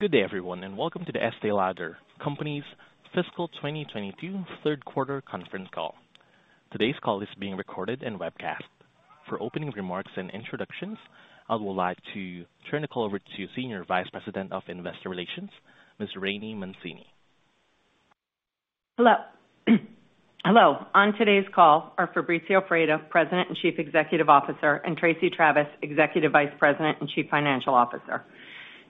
Good day, everyone, and welcome to The Estée Lauder Companies' fiscal 2022 third quarter conference call. Today's call is being recorded and webcast. For opening remarks and introductions, I would like to turn the call over to Senior Vice President of Investor Relations, Ms. Rainey Mancini. Hello. On today's call are Fabrizio Freda, President and Chief Executive Officer, and Tracey Travis, Executive Vice President and Chief Financial Officer.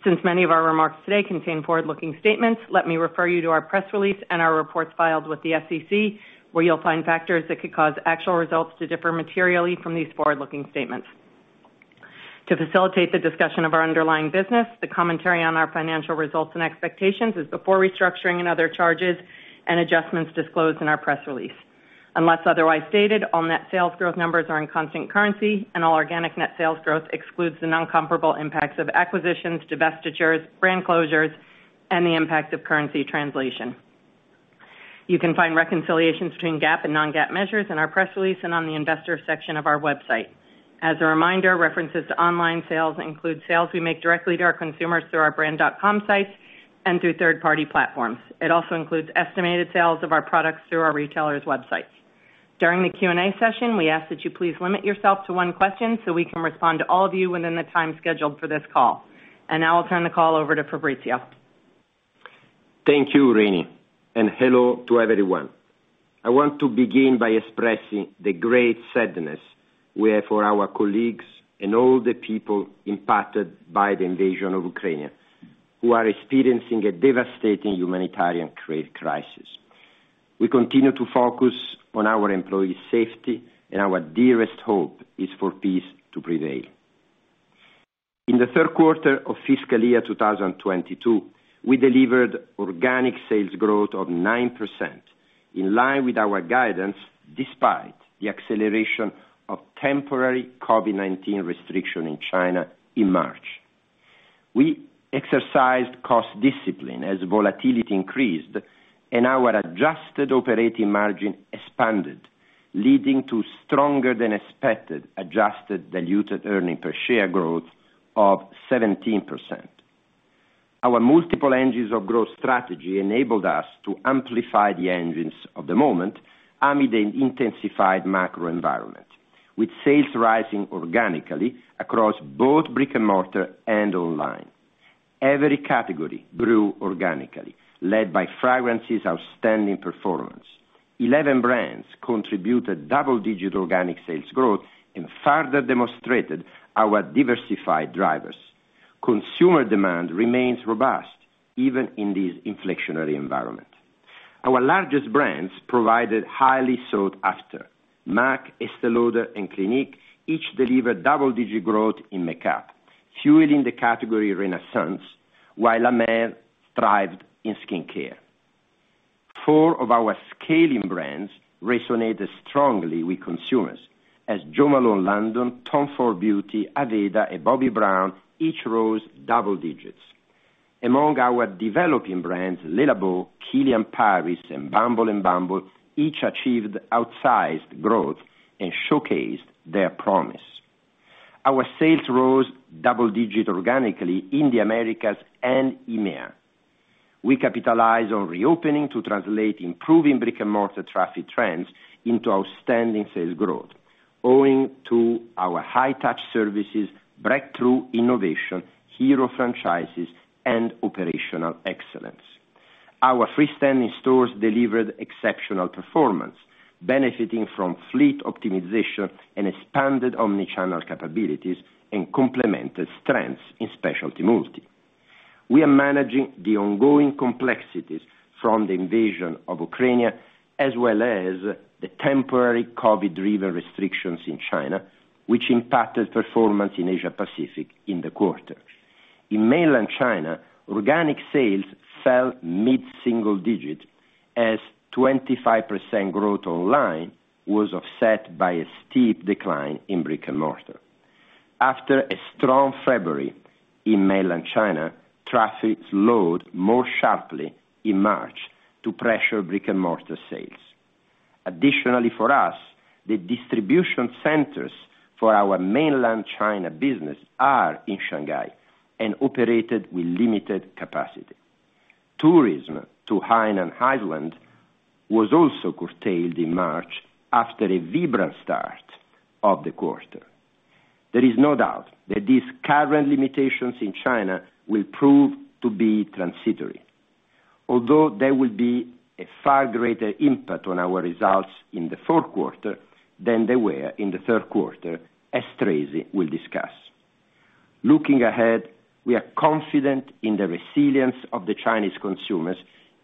Since many of our remarks today contain forward-looking statements, let me refer you to our press release and our reports filed with the SEC, where you'll find factors that could cause actual results to differ materially from these forward-looking statements. To facilitate the discussion of our underlying business, the commentary on our financial results and expectations is before restructuring and other charges and adjustments disclosed in our press release. Unless otherwise stated, all net sales growth numbers are in constant currency, and all organic net sales growth excludes the non-comparable impacts of acquisitions, divestitures, brand closures, and the impact of currency translation. You can find reconciliations between GAAP and non-GAAP measures in our press release and on the investor section of our website. As a reminder, references to online sales include sales we make directly to our consumers through our brand.com sites and through third-party platforms. It also includes estimated sales of our products through our retailers' websites. During the Q&A session, we ask that you please limit yourself to one question, so we can respond to all of you within the time scheduled for this call. Now I'll turn the call over to Fabrizio. Thank you, Rainey, and hello to everyone. I want to begin by expressing the great sadness we have for our colleagues and all the people impacted by the invasion of Ukraine, who are experiencing a devastating humanitarian crisis. We continue to focus on our employees' safety, and our dearest hope is for peace to prevail. In the third quarter of fiscal year 2022, we delivered organic sales growth of 9%, in line with our guidance, despite the acceleration of temporary COVID-19 restriction in China in March. We exercised cost discipline as volatility increased, and our adjusted operating margin expanded, leading to stronger than expected adjusted diluted earnings per share growth of 17%. Our multiple engines of growth strategy enabled us to amplify the engines of the moment amid an intensified macro environment, with sales rising organically across both brick-and-mortar and online. Every category grew organically, led by Fragrance's outstanding performance. 11 brands contributed double-digit organic sales growth and further demonstrated our diversified drivers. Consumer demand remains robust, even in this inflectionary environment. Our largest brands provided highly sought-after. M·A·C, Estée Lauder, and Clinique each delivered double-digit growth in makeup, fueling the category renaissance, while La Mer thrived in skincare. Four of our scaling brands resonated strongly with consumers as Jo Malone London, Tom Ford Beauty, Aveda, and Bobbi Brown each rose double-digit. Among our developing brands, Le Labo, KILIAN PARIS, and Bumble and bumble each achieved outsized growth and showcased their promise. Our sales rose double-digit organically in the Americas and EMEA. We capitalize on reopening to translate improving brick-and-mortar traffic trends into outstanding sales growth, owing to our high-touch services, breakthrough innovation, hero franchises, and operational excellence. Our freestanding stores delivered exceptional performance, benefiting from fleet optimization and expanded omni-channel capabilities and complemented strengths in specialty multi. We are managing the ongoing complexities from the invasion of Ukraine, as well as the temporary COVID-driven restrictions in China, which impacted performance in Asia Pacific in the quarter. In mainland China, organic sales fell mid-single digit as 25% growth online was offset by a steep decline in brick-and-mortar. After a strong February in mainland China, traffic slowed more sharply in March to pressure brick-and-mortar sales. Additionally, for us, the distribution centers for our mainland China business are in Shanghai and operated with limited capacity. Tourism to Hainan Island was also curtailed in March after a vibrant start of the quarter. There is no doubt that these current limitations in China will prove to be transitory, although there will be a far greater impact on our results in the fourth quarter than they were in the third quarter, as Tracey will discuss. Looking ahead, we are confident in the resilience of the Chinese consumers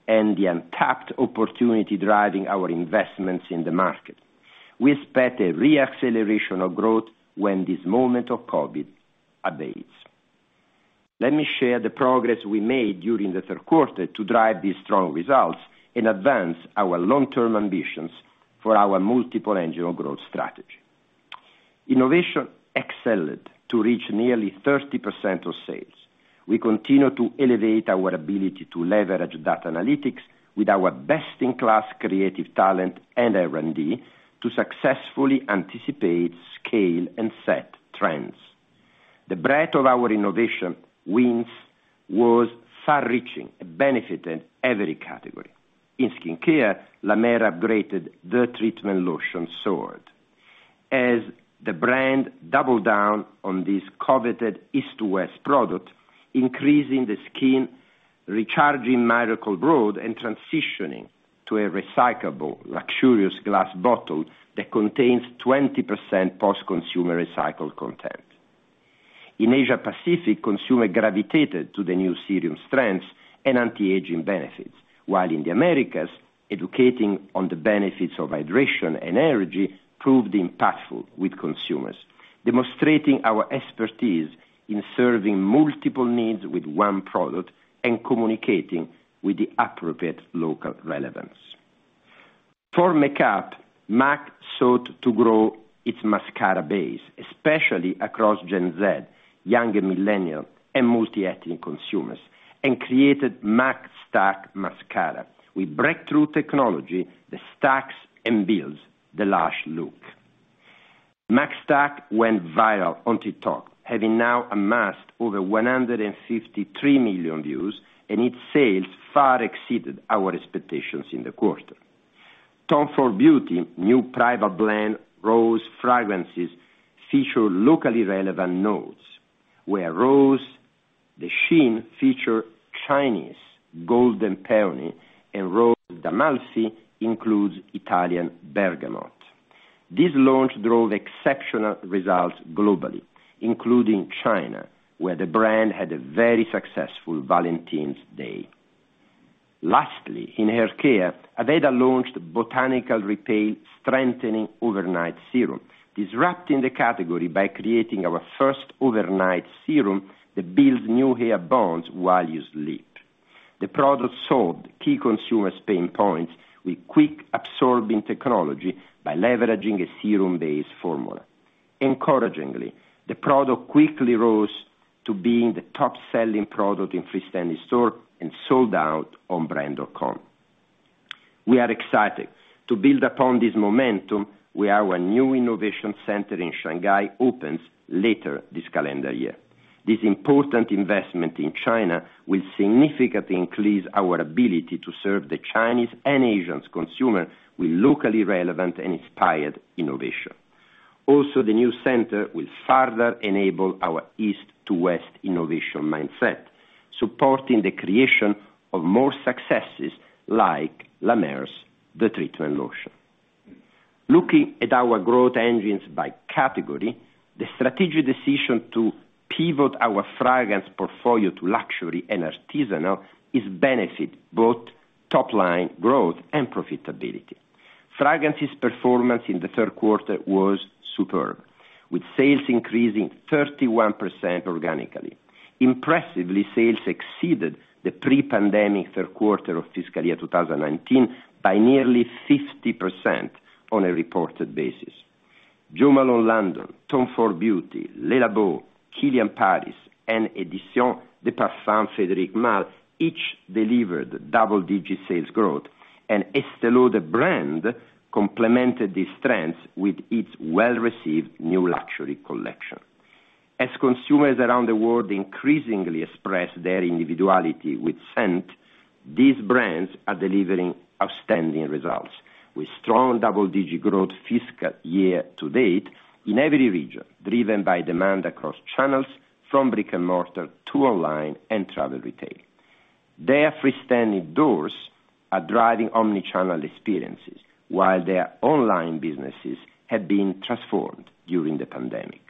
and the untapped opportunity driving our investments in the market. We expect a re-acceleration of growth when this moment of COVID abates. Let me share the progress we made during the third quarter to drive these strong results and advance our long-term ambitions for our multiple engine growth strategy. Innovation excelled to reach nearly 30% of sales. We continue to elevate our ability to leverage data analytics with our best-in-class creative talent and R&D to successfully anticipate scale and set trends. The breadth of our innovation wins was far-reaching and benefited every category. In skincare, La Mer upgraded The Treatment Lotion as the brand doubled down on this coveted east to west product, increasing the skin recharging Miracle Broth and transitioning to a recyclable luxurious glass bottle that contains 20% post-consumer recycled content. In Asia Pacific, consumers gravitated to the new serum strengths and anti-aging benefits, while in the Americas, educating on the benefits of hydration and energy proved impactful with consumers, demonstrating our expertise in serving multiple needs with one product and communicating with the appropriate local relevance. For makeup, M·A·C sought to grow its mascara base, especially across Gen Z, younger millennial and multi-ethnic consumers, and created M·A·CStack Mascara with breakthrough technology that stacks and builds the lash look. M·A·CStack went viral on TikTok, having now amassed over 153 million views, and its sales far exceeded our expectations in the quarter. Tom Ford Beauty's new Private Blend rose fragrances feature locally relevant notes, where Rose de Chine features Chinese golden peony and Rose d'Amalfi includes Italian bergamot. This launch drove exceptional results globally, including China, where the brand had a very successful Valentine's Day. Lastly, in haircare, Aveda launched botanical repair strengthening overnight serum, disrupting the category by creating our first overnight serum that builds new hair bonds while you sleep. The product solved key consumer pain points with quick absorbing technology by leveraging a serum-based formula. Encouragingly, the product quickly rose to being the top-selling product in freestanding stores and sold out on brand.com. We are excited to build upon this momentum where our new innovation center in Shanghai opens later this calendar year. This important investment in China will significantly increase our ability to serve the Chinese and Asian consumers with locally relevant and inspired innovation. Also, the new center will further enable our east to west innovation mindset, supporting the creation of more successes like La Mer's The Treatment Lotion. Looking at our growth engines by category, the strategic decision to pivot our fragrance portfolio to luxury and artisanal has benefited both top line growth and profitability. Fragrance performance in the third quarter was superb, with sales increasing 31% organically. Impressively, sales exceeded the pre-pandemic third quarter of fiscal year 2019 by nearly 50% on a reported basis. Jo Malone London, Tom Ford Beauty, Le Labo, KILIAN PARIS, and Editions de Parfums Frédéric Malle each delivered double-digit sales growth. Estée Lauder brand complemented these trends with its well-received new luxury collection. As consumers around the world increasingly express their individuality with scent, these brands are delivering outstanding results, with strong double-digit growth fiscal year to date in every region, driven by demand across channels from brick-and-mortar to online and travel retail. Their freestanding doors are driving omni-channel experiences, while their online businesses have been transformed during the pandemic.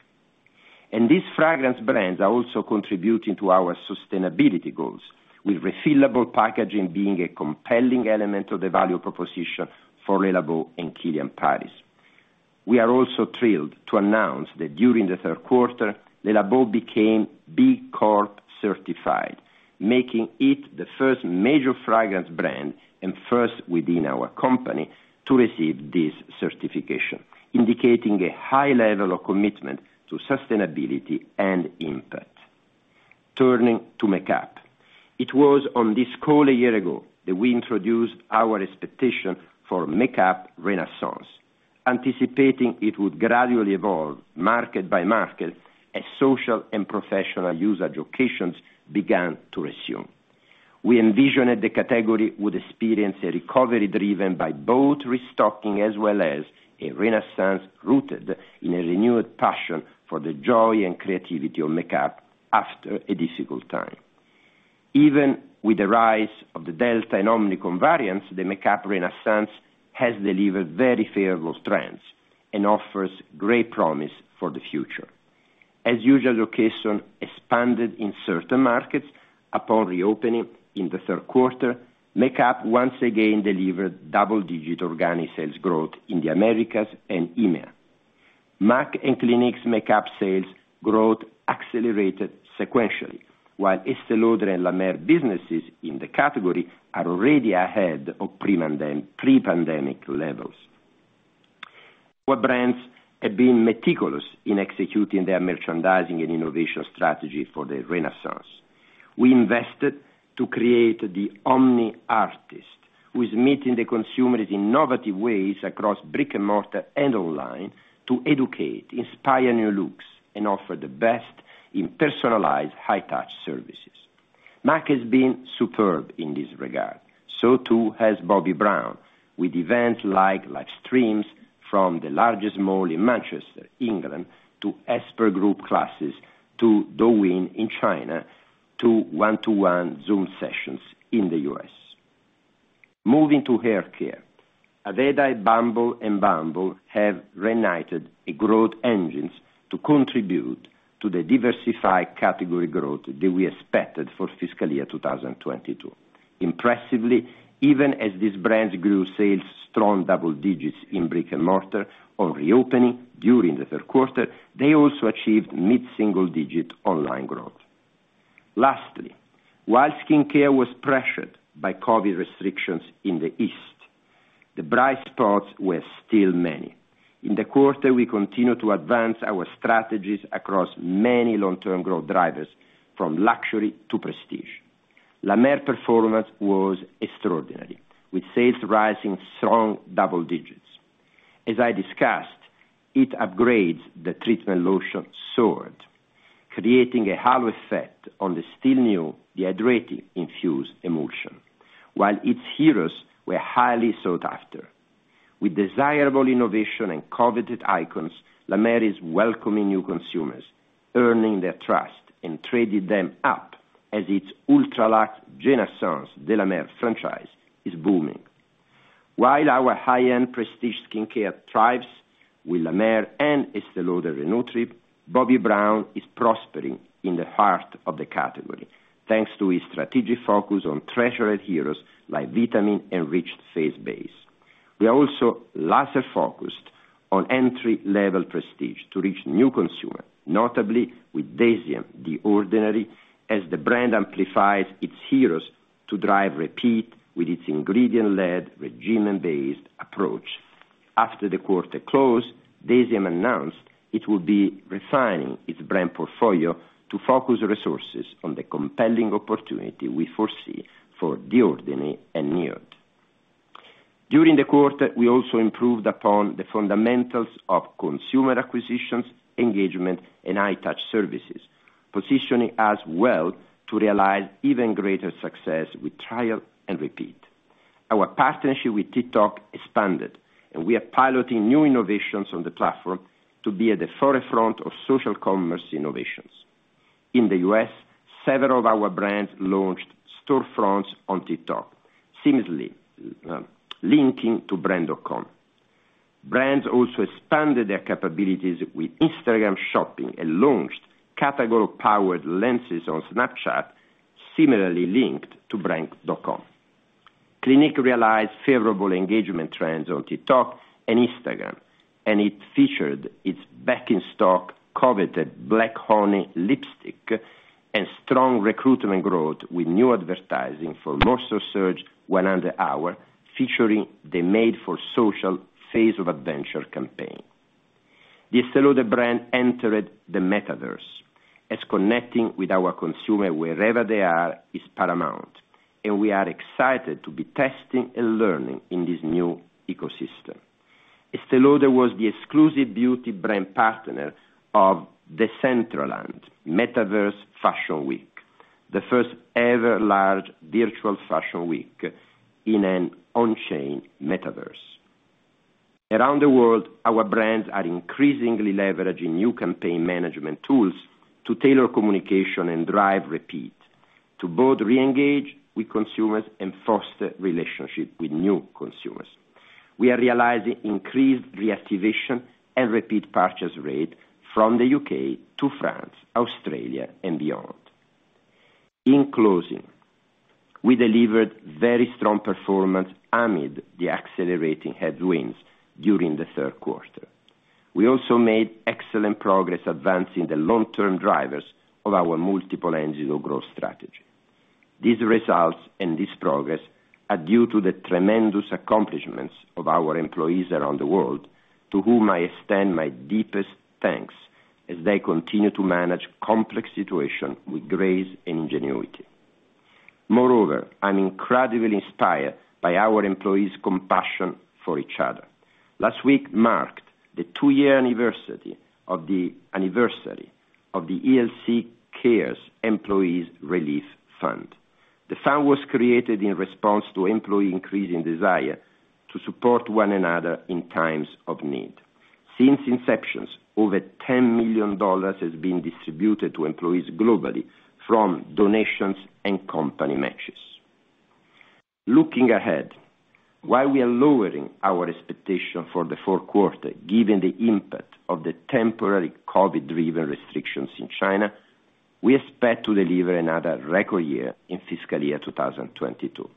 These fragrance brands are also contributing to our sustainability goals, with refillable packaging being a compelling element of the value proposition for Le Labo and KILIAN PARIS. We are also thrilled to announce that during the third quarter, Le Labo became B Corp certified, making it the first major fragrance brand and first within our company to receive this certification, indicating a high level of commitment to sustainability and impact. Turning to makeup, it was on this call a year ago that we introduced our expectation for makeup renaissance, anticipating it would gradually evolve market by market as social and professional usage occasions began to resume. We envisioned the category would experience a recovery driven by both restocking as well as a renaissance rooted in a renewed passion for the joy and creativity of makeup after a difficult time. Even with the rise of the Delta and Omicron variants, the makeup renaissance has delivered very favorable trends and offers great promise for the future. As usual, locations expanded in certain markets upon reopening in the third quarter, makeup once again delivered double-digit organic sales growth in the Americas and EMEA. M·A·C and Clinique's makeup sales growth accelerated sequentially, while Estée Lauder and La Mer businesses in the category are already ahead of pre-pandemic levels. Our brands have been meticulous in executing their merchandising and innovation strategy for the renaissance. We invested to create the omni artist who is meeting the consumer in innovative ways across brick-and-mortar and online to educate, inspire new looks, and offer the best in personalized high-touch services. M·A·C has been superb in this regard, so too has Bobbi Brown with events like live streams from the largest mall in Manchester, England, to expert group classes, to Douyin in China, to one-to-one Zoom sessions in the U.S. Moving to haircare. Aveda, Bumble and bumble have reignited a growth engines to contribute to the diversified category growth that we expected for fiscal year 2022. Impressively, even as these brands grew sales strong double-digits in brick-and-mortar on reopening during the third quarter, they also achieved mid-single-digit online growth. Lastly, while skincare was pressured by COVID restrictions in the East, the bright spots were still many. In the quarter, we continued to advance our strategies across many long-term growth drivers, from luxury to prestige. La Mer performance was extraordinary, with sales rising strong double digits. As I discussed, its upgrades, The Treatment Lotion, soared, creating a halo effect on the still new The Hydrating Infused Emulsion. While its heroes were highly sought after. With desirable innovation and coveted icons, La Mer is welcoming new consumers, earning their trust, and trading them up as its ultra-lux Genaissance de la Mer franchise is booming. While our high-end prestige skincare thrives with La Mer and Estée Lauder Re-Nutriv, Bobbi Brown is prospering in the heart of the category, thanks to its strategic focus on treasured heroes like vitamin enriched face base. We are also laser-focused on entry-level prestige to reach new consumer, notably with DECIEM, The Ordinary, as the brand amplifies its heroes to drive repeat with its ingredient-led, regimen-based approach. After the quarter closed, DECIEM announced it will be refining its brand portfolio to focus resources on the compelling opportunity we foresee for The Ordinary and NIOD. During the quarter, we also improved upon the fundamentals of consumer acquisitions, engagement, and high touch services, positioning us well to realize even greater success with trial and repeat. Our partnership with TikTok expanded, and we are piloting new innovations on the platform to be at the forefront of social commerce innovations. In the U.S., several of our brands launched storefronts on TikTok, seamlessly linking to brand.com. Brands also expanded their capabilities with Instagram shopping and launched category-powered lenses on Snapchat, similarly linked to brand.com. Clinique realized favorable engagement trends on TikTok and Instagram, and it featured its back-in-stock, coveted Black Honey lipstick and strong recruitment growth with new advertising for Moisture Surge 100H, featuring the made-for-social Face of Adventure campaign. The Estée Lauder brand entered the Metaverse, as connecting with our consumer wherever they are is paramount, and we are excited to be testing and learning in this new ecosystem. Estée Lauder was the exclusive beauty brand partner of the Decentraland Metaverse Fashion Week, the first ever large virtual fashion week in an on-chain metaverse. Around the world, our brands are increasingly leveraging new campaign management tools to tailor communication and drive repeat to both re-engage with consumers and foster relationship with new consumers. We are realizing increased reactivation and repeat purchase rate from the U.K. to France, Australia, and beyond. In closing, we delivered very strong performance amid the accelerating headwinds during the third quarter. We also made excellent progress advancing the long-term drivers of our multiple engines of growth strategy. These results and this progress are due to the tremendous accomplishments of our employees around the world, to whom I extend my deepest thanks as they continue to manage complex situation with grace and ingenuity. Moreover, I'm incredibly inspired by our employees' compassion for each other. Last week marked the two-year anniversary of the ELC Cares Employee Relief Fund. The fund was created in response to employees' increasing desire to support one another in times of need. Since its inception, over $10 million has been distributed to employees globally from donations and company matches. Looking ahead, while we are lowering our expectation for the fourth quarter, given the impact of the temporary COVID-driven restrictions in China, we expect to deliver another record year in fiscal year 2022.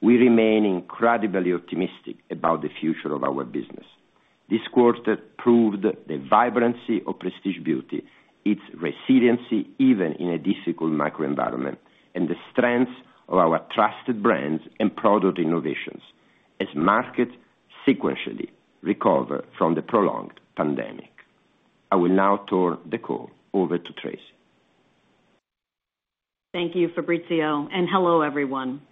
We remain incredibly optimistic about the future of our business. This quarter proved the vibrancy of Prestige Beauty, its resiliency, even in a difficult macro environment, and the strength of our trusted brands and product innovations as markets sequentially recover from the prolonged pandemic. I will now turn the call over to Tracey. Thank you, Fabrizio, and hello everyone.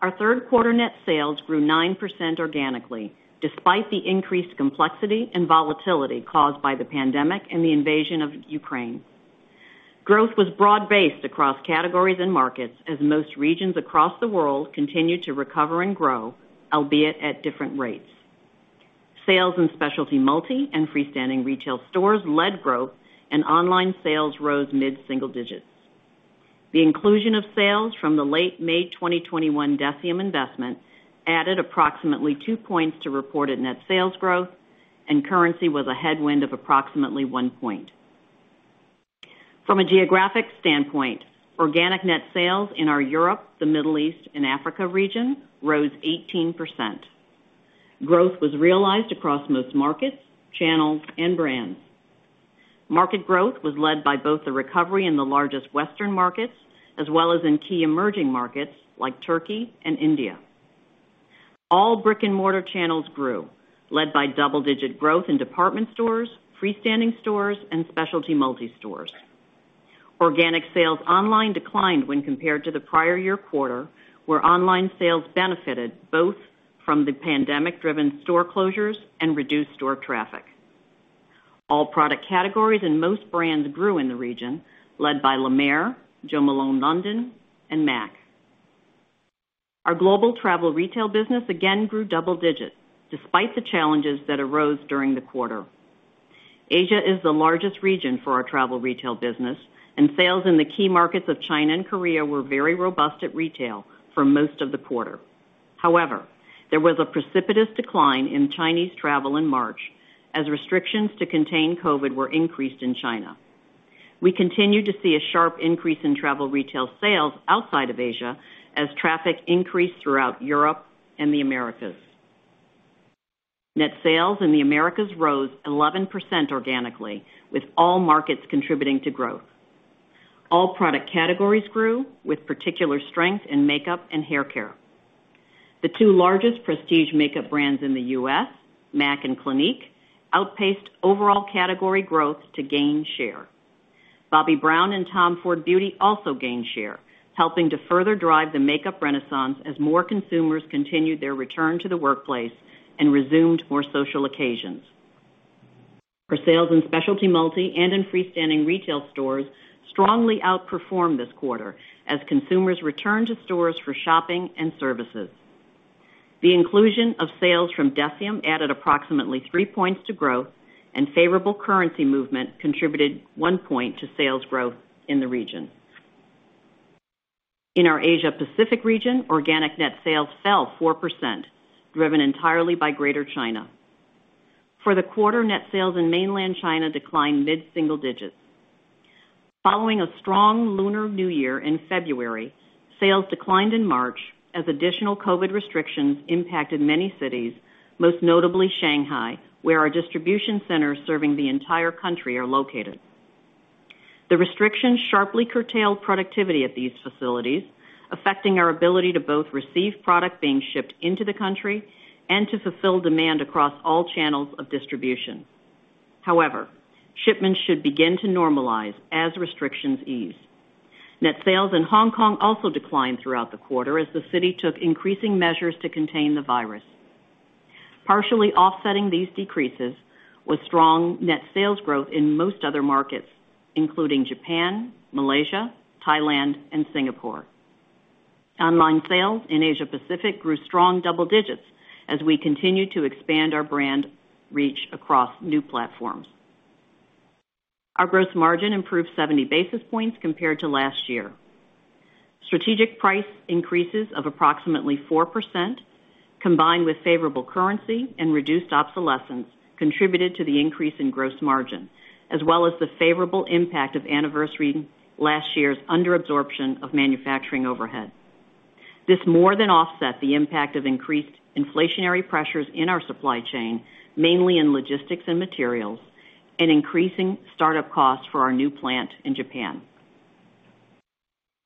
Our third quarter net sales grew 9% organically despite the increased complexity and volatility caused by the pandemic and the invasion of Ukraine. Growth was broad-based across categories and markets as most regions across the world continued to recover and grow, albeit at different rates. Sales in specialty multi and freestanding retail stores led growth and online sales rose mid-single digits. The inclusion of sales from the late May 2021 DECIEM investment added approximately two points to reported net sales growth, and currency was a headwind of approximately one point. From a geographic standpoint, organic net sales in our Europe, the Middle East, and Africa region rose 18%. Growth was realized across most markets, channels, and brands. Market growth was led by both the recovery in the largest Western markets as well as in key emerging markets like Turkey and India. All brick-and-mortar channels grew, led by double-digit growth in department stores, freestanding stores, and specialty multi stores. Organic sales online declined when compared to the prior year quarter, where online sales benefited both from the pandemic-driven store closures and reduced store traffic. All product categories and most brands grew in the region, led by La Mer, Jo Malone London, and M·A·C. Our global travel retail business again grew double digits despite the challenges that arose during the quarter. Asia is the largest region for our travel retail business, and sales in the key markets of China and Korea were very robust at retail for most of the quarter. However, there was a precipitous decline in Chinese travel in March as restrictions to contain COVID were increased in China. We continued to see a sharp increase in travel retail sales outside of Asia as traffic increased throughout Europe and the Americas. Net sales in the Americas rose 11% organically, with all markets contributing to growth. All product categories grew with particular strength in makeup and hair care. The two largest prestige makeup brands in the U.S., M·A·C and Clinique, outpaced overall category growth to gain share. Bobbi Brown and Tom Ford Beauty also gained share, helping to further drive the makeup renaissance as more consumers continued their return to the workplace and resumed more social occasions. For sales in specialty multi and in freestanding retail stores strongly outperformed this quarter as consumers returned to stores for shopping and services. The inclusion of sales from DECIEM added approximately three points to growth, and favorable currency movement contributed one point to sales growth in the region. In our Asia Pacific region, organic net sales fell 4%, driven entirely by Greater China. For the quarter, net sales in mainland China declined mid-single digits. Following a strong Lunar New Year in February, sales declined in March as additional COVID restrictions impacted many cities, most notably Shanghai, where our distribution centers serving the entire country are located. The restrictions sharply curtailed productivity at these facilities, affecting our ability to both receive product being shipped into the country and to fulfill demand across all channels of distribution. However, shipments should begin to normalize as restrictions ease. Net sales in Hong Kong also declined throughout the quarter as the city took increasing measures to contain the virus. Partially offsetting these decreases was strong net sales growth in most other markets, including Japan, Malaysia, Thailand, and Singapore. Online sales in Asia Pacific grew strong double digits as we continued to expand our brand reach across new platforms. Our gross margin improved 70 basis points compared to last year. Strategic price increases of approximately 4%, combined with favorable currency and reduced obsolescence, contributed to the increase in gross margin, as well as the favorable impact of anniversary last year's under absorption of manufacturing overhead. This more than offset the impact of increased inflationary pressures in our supply chain, mainly in logistics and materials, and increasing start-up costs for our new plant in Japan.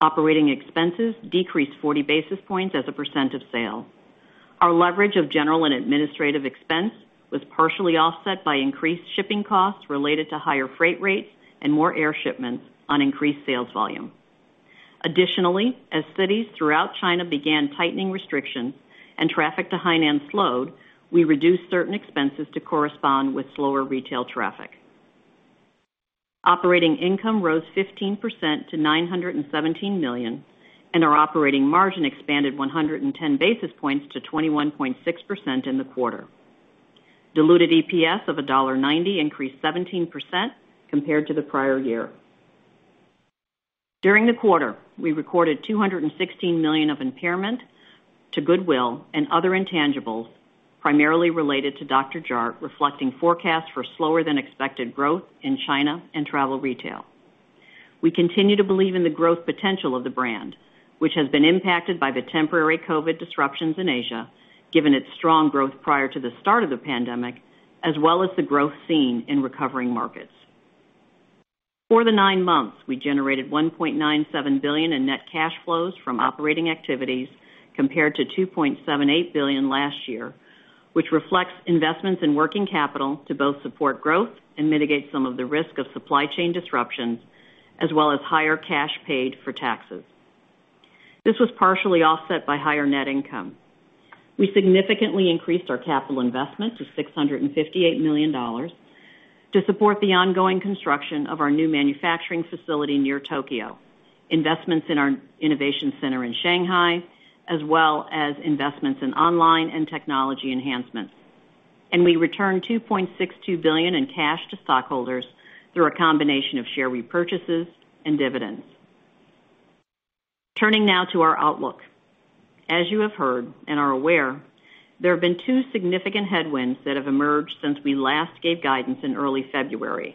Operating expenses decreased 40 basis points as a percent of sales. Our leverage of general and administrative expense was partially offset by increased shipping costs related to higher freight rates and more air shipments on increased sales volume. Additionally, as cities throughout China began tightening restrictions and traffic to Hainan slowed, we reduced certain expenses to correspond with slower retail traffic. Operating income rose 15% to $917 million, and our operating margin expanded 110 basis points to 21.6% in the quarter. Diluted EPS of $1.90 increased 17% compared to the prior year. During the quarter, we recorded $216 million of impairment to goodwill and other intangibles primarily related to Dr. Jart+, reflecting forecasts for slower than expected growth in China and travel retail. We continue to believe in the growth potential of the brand, which has been impacted by the temporary COVID-19 disruptions in Asia, given its strong growth prior to the start of the pandemic, as well as the growth seen in recovering markets. For the nine months, we generated $1.97 billion in net cash flows from operating activities compared to $2.78 billion last year, which reflects investments in working capital to both support growth and mitigate some of the risk of supply chain disruptions, as well as higher cash paid for taxes. This was partially offset by higher net income. We significantly increased our capital investment to $658 million to support the ongoing construction of our new manufacturing facility near Tokyo, investments in our innovation center in Shanghai, as well as investments in online and technology enhancements. We returned $2.62 billion in cash to stockholders through a combination of share repurchases and dividends. Turning now to our outlook. As you have heard and are aware, there have been two significant headwinds that have emerged since we last gave guidance in early February,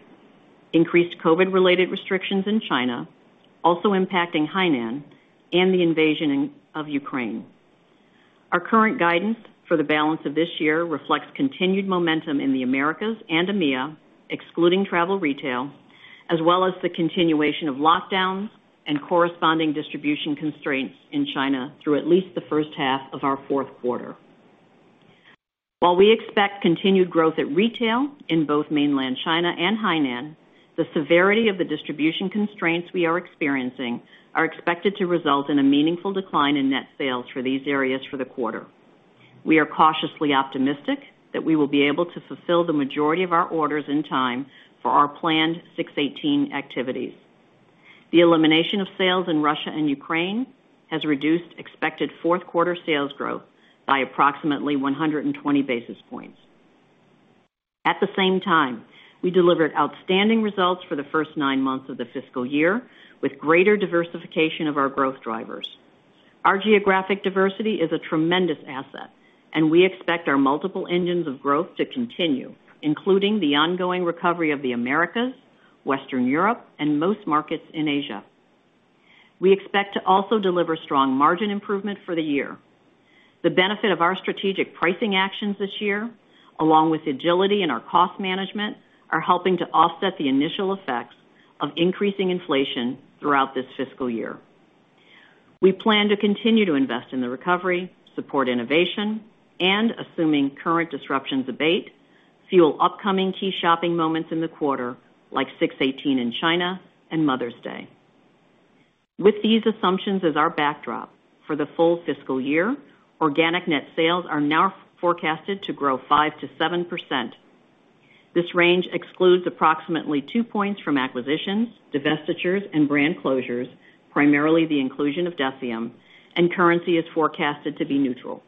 increased COVID-related restrictions in China, also impacting Hainan and the invasion of Ukraine. Our current guidance for the balance of this year reflects continued momentum in the Americas and EMEA, excluding travel retail, as well as the continuation of lockdowns and corresponding distribution constraints in China through at least the first half of our fourth quarter. While we expect continued growth at retail in both mainland China and Hainan, the severity of the distribution constraints we are experiencing are expected to result in a meaningful decline in net sales for these areas for the quarter. We are cautiously optimistic that we will be able to fulfill the majority of our orders in time for our planned 618 activities. The elimination of sales in Russia and Ukraine has reduced expected fourth quarter sales growth by approximately 120 basis points. At the same time, we delivered outstanding results for the first nine months of the fiscal year with greater diversification of our growth drivers. Our geographic diversity is a tremendous asset, and we expect our multiple engines of growth to continue, including the ongoing recovery of the Americas, Western Europe, and most markets in Asia. We expect to also deliver strong margin improvement for the year. The benefit of our strategic pricing actions this year, along with agility in our cost management, are helping to offset the initial effects of increasing inflation throughout this fiscal year. We plan to continue to invest in the recovery, support innovation, and assuming current disruptions abate, fuel upcoming key shopping moments in the quarter, like 618 in China and Mother's Day. With these assumptions as our backdrop for the full fiscal year, organic net sales are now forecasted to grow 5%-7%. This range excludes approximately two points from acquisitions, divestitures, and brand closures, primarily the inclusion of DECIEM, and currency is forecasted to be neutral.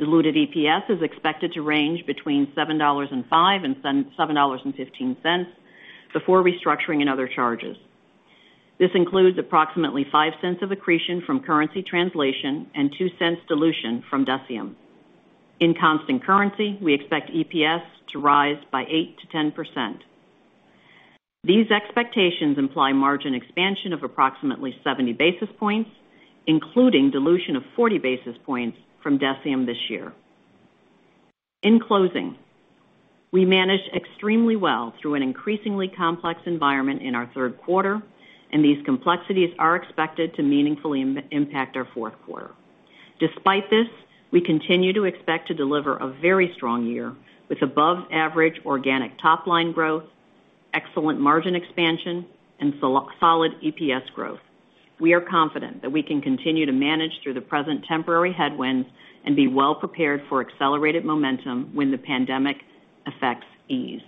Diluted EPS is expected to range between $7.05 and $7.15 before restructuring and other charges. This includes approximately $0.05 of accretion from currency translation and $0.02 dilution from DECIEM. In constant currency, we expect EPS to rise by 8%-10%. These expectations imply margin expansion of approximately 70 basis points, including dilution of 40 basis points from DECIEM this year. In closing, we managed extremely well through an increasingly complex environment in our third quarter, and these complexities are expected to meaningfully impact our fourth quarter. Despite this, we continue to expect to deliver a very strong year with above average organic top line growth, excellent margin expansion, and solid EPS growth. We are confident that we can continue to manage through the present temporary headwinds and be well prepared for accelerated momentum when the pandemic effects ease.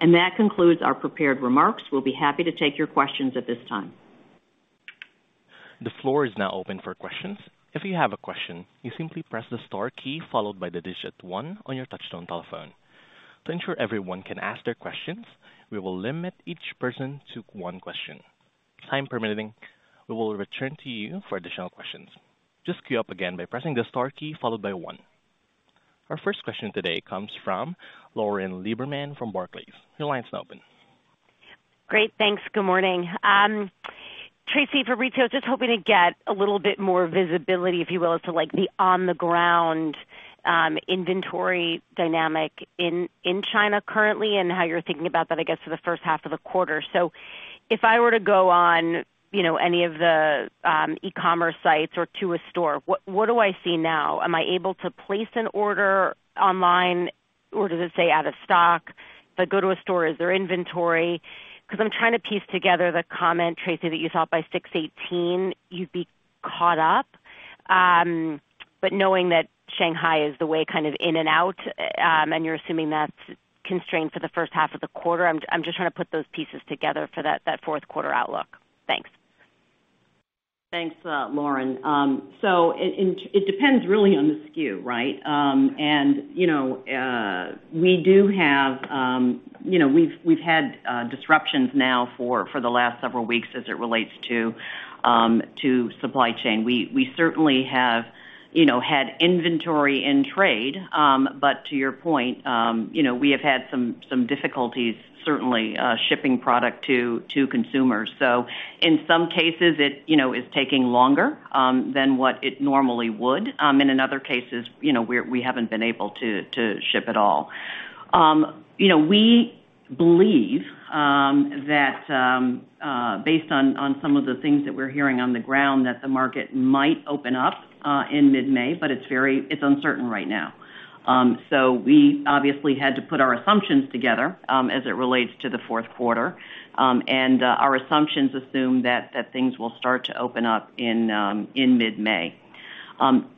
That concludes our prepared remarks. We'll be happy to take your questions at this time. The floor is now open for questions. If you have a question, you simply press the star key followed by the digit one on your touchtone telephone. To ensure everyone can ask their questions, we will limit each person to one question. Time permitting, we will return to you for additional questions. Just queue up again by pressing the star key followed by one. Our first question today comes from Lauren Lieberman from Barclays. Your line is now open. Great, thanks. Good morning. Tracey, for retail, just hoping to get a little bit more visibility, if you will, to like the on-the-ground inventory dynamic in China currently and how you're thinking about that, I guess, for the first half of the quarter. If I were to go on, you know, any of the e-commerce sites or to a store, what do I see now? Am I able to place an order online or does it say out of stock? If I go to a store, is there inventory? Because I'm trying to piece together the comment, Tracey, that you thought by 618 you'd be caught up. Knowing that Shanghai is the way kind of in and out, and you're assuming that's constrained for the first half of the quarter, I'm just trying to put those pieces together for that fourth quarter outlook. Thanks. Thanks, Lauren. It depends really on the SKU, right? We've had disruptions now for the last several weeks as it relates to supply chain. We certainly have had inventory in trade. To your point, you know, we have had some difficulties certainly shipping product to consumers. In some cases, it, you know, is taking longer than what it normally would. In other cases, you know, we haven't been able to ship at all. You know, we believe that based on some of the things that we're hearing on the ground, that the market might open up in mid-May, but it's uncertain right now. We obviously had to put our assumptions together as it relates to the fourth quarter. Our assumptions assume that things will start to open up in mid-May.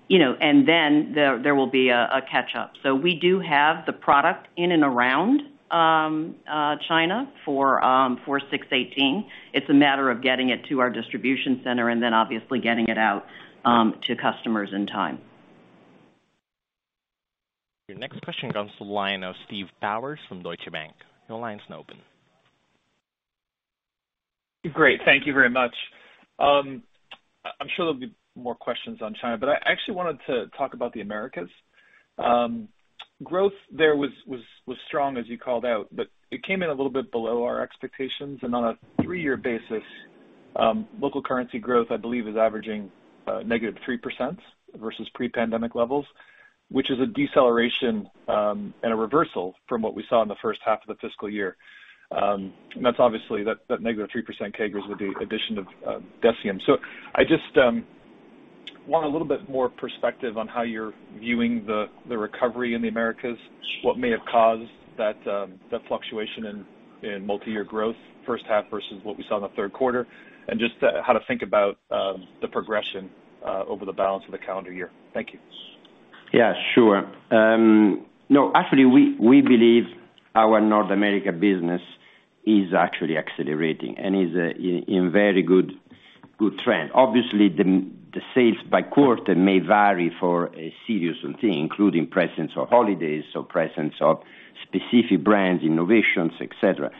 You know, there will be a catch up. We do have the product in and around China for 618. It's a matter of getting it to our distribution center and then obviously getting it out to customers in time. Your next question comes to the line of Steve Powers from Deutsche Bank. Your line's now open. Great. Thank you very much. I'm sure there'll be more questions on China, but I actually wanted to talk about the Americas. Growth there was strong, as you called out, but it came in a little bit below our expectations. On a three-year basis, local currency growth, I believe, is averaging -3% versus pre-pandemic levels, which is a deceleration and a reversal from what we saw in the first half of the fiscal year. That's obviously that -3% CAGRs with the addition of DECIEM. I just want a little bit more perspective on how you're viewing the recovery in the Americas, what may have caused that fluctuation in multi-year growth first half versus what we saw in the third quarter, and just how to think about the progression over the balance of the calendar year? Thank you. Yeah, sure. No, actually, we believe our North America business is actually accelerating and is in very good trend. Obviously, the sales by quarter may vary for a series of things, including presence of holidays or presence of specific brands, innovations, et cetera.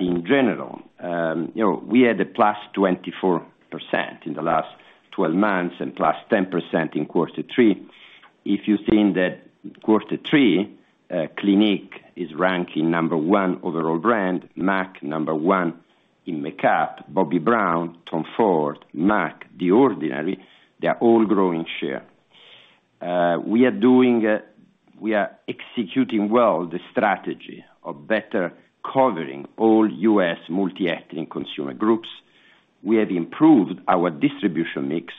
In general, you know, we had +24% in the last 12 months and +10% in quarter three. If you've seen that quarter three, Clinique is ranking number one overall brand, M·A·C number one in makeup, Bobbi Brown, Tom Ford, M·A·C, The Ordinary, they're all growing share. We are executing well the strategy of better covering all U.S. multi-ethnic consumer groups. We have improved our distribution mix,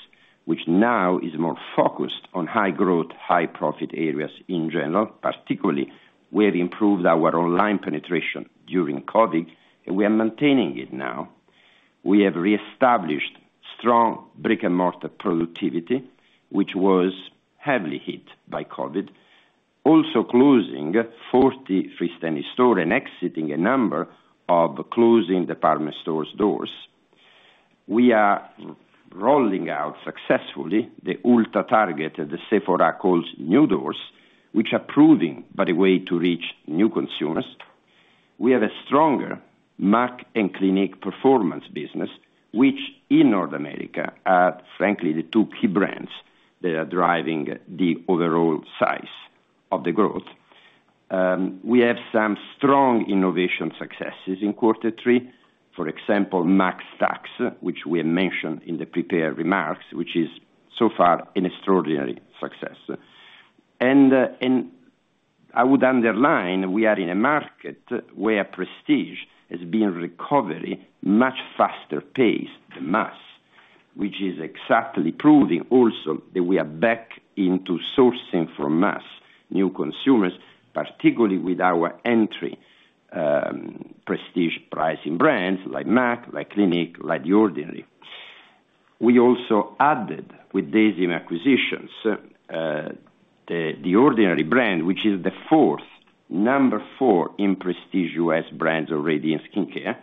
which now is more focused on high growth, high profit areas in general. Particularly, we have improved our online penetration during COVID, and we are maintaining it now. We have reestablished strong brick-and-mortar productivity, which was heavily hit by COVID. Also, closing 40 freestanding stores and exiting a number of closing department stores' doors. We are rolling out successfully the Ulta, Target, the Sephora at Kohl's new doors, which are proving, by the way, to reach new consumers. We have a stronger M·A·C and Clinique performance business, which in North America are, frankly, the two key brands that are driving the overall size of the growth. We have some strong innovation successes in quarter three, for example, M·A·CStack, which we mentioned in the prepared remarks, which is so far an extraordinary success. I would underline, we are in a market where prestige has been recovering at a much faster pace than mass, which is exactly proving also that we are back into sourcing from mass new consumers, particularly with our entry prestige pricing brands like M·A·C, like Clinique, like The Ordinary. We also added with DECIEM acquisitions, the Ordinary brand, which is number four in prestige U.S. brands already in skincare,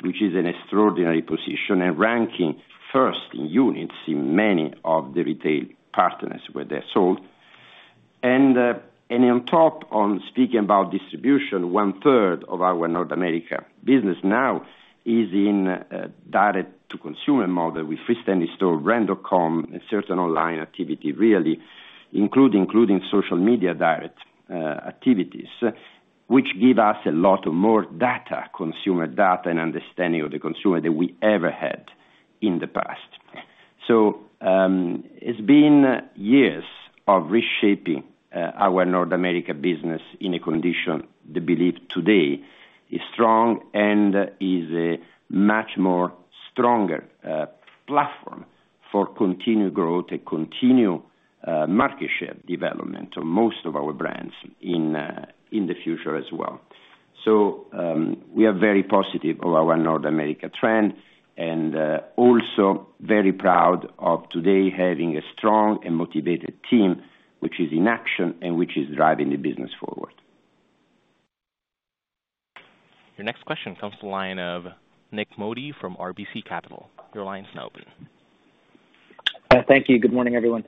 which is an extraordinary position, and ranking first in units in many of the retail partners where they're sold. On top of speaking about distribution, 1/3 of our North America business now is in direct to consumer model with freestanding store, brand.com, and certain online activity really, including social media direct activities, which give us a lot more data, consumer data and understanding of the consumer than we ever had in the past. It's been years of reshaping our North America business into a condition that we believe today is strong and is a much more stronger platform for continued growth and continued market share development of most of our brands in the future as well. We are very positive on our North America trend and also very proud of having today a strong and motivated team, which is in action and which is driving the business forward. Your next question comes from the line of Nik Modi from RBC Capital Markets. Your line is now open. Thank you. Good morning, everyone.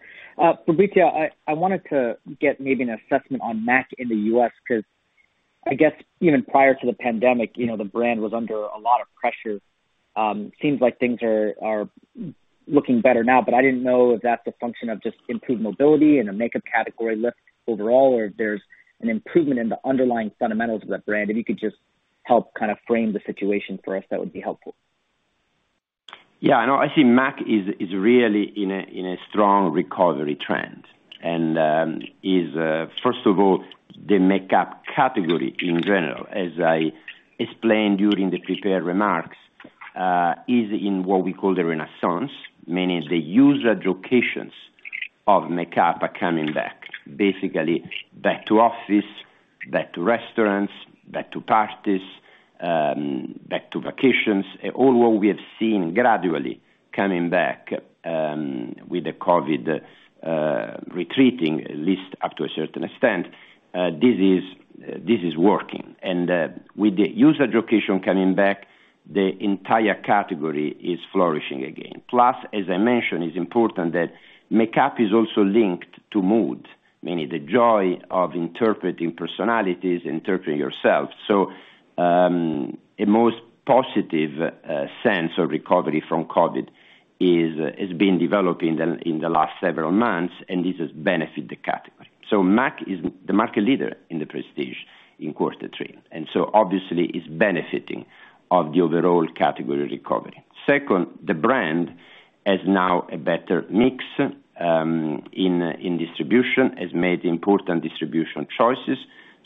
Fabrizio, I wanted to get maybe an assessment on M·A·C in the U.S., ’cause I guess even prior to the pandemic, you know, the brand was under a lot of pressure. Seems like things are looking better now, but I didn't know if that's a function of just improved mobility and the makeup category lift overall, or if there's an improvement in the underlying fundamentals of that brand. If you could just help kinda frame the situation for us, that would be helpful. Yeah, no, I think M·A·C is really in a strong recovery trend. First of all, the makeup category in general, as I explained during the prepared remarks, is in what we call the renaissance, meaning the user locations of makeup are coming back, basically back to office, back to restaurants, back to parties, back to vacations, all what we have seen gradually coming back, with the COVID retreating, at least up to a certain extent, this is working. With the user location coming back, the entire category is flourishing again. Plus, as I mentioned, it's important that makeup is also linked to mood, meaning the joy of interpreting personalities, interpreting yourself. A most positive sense of recovery from COVID has been developing in the last several months, and this has benefited the category. M·A·C is the market leader in the prestige in quarter three, and obviously is benefiting from the overall category recovery. Second, the brand has now a better mix in distribution, has made important distribution choices,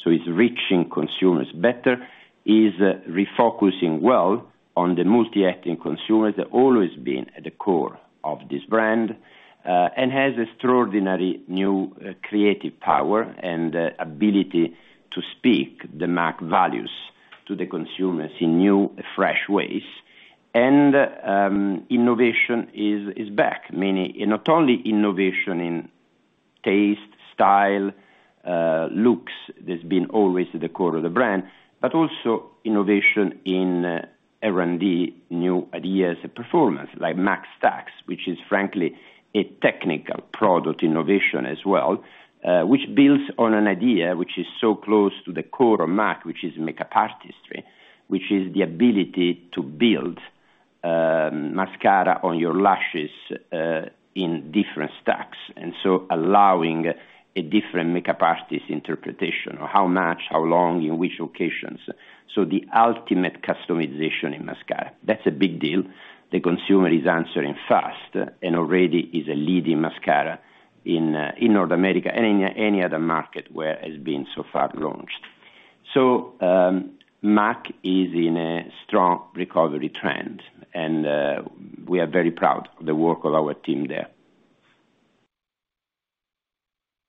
so it's reaching consumers better. It's refocusing well on the multicultural consumers that always been at the core of this brand, and has extraordinary new creative power and ability to speak the M·A·C values to the consumers in new and fresh ways. Innovation is back, meaning not only innovation in taste, style, looks, that's been always the core of the brand, but also innovation in R&D, new ideas and performance, like M·A·CStack, which is frankly a technical product innovation as well, which builds on an idea which is so close to the core of M·A·C, which is makeup artistry, which is the ability to build mascara on your lashes in different stacks, and so allowing a different makeup artist's interpretation of how much, how long, in which locations. The ultimate customization in mascara. That's a big deal. The consumer is answering fast and already is a leading mascara in North America and in any other market where it's been so far launched. M·A·C is in a strong recovery trend, and we are very proud of the work of our team there.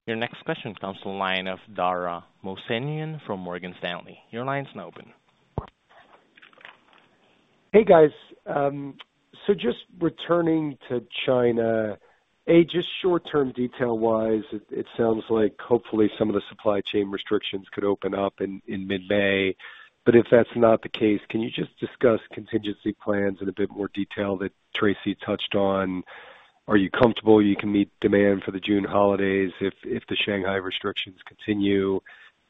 Your next question comes from the line of Dara Mohsenian from Morgan Stanley. Your line is now open. Hey, guys. Just returning to China, A, just short term, detail-wise, it sounds like hopefully some of the supply chain restrictions could open up in mid-May. If that's not the case, can you just discuss contingency plans in a bit more detail that Tracey touched on? Are you comfortable you can meet demand for the June holidays if the Shanghai restrictions continue?